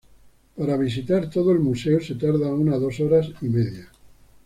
Para visitar todo el museo se tarda unas dos horas y media.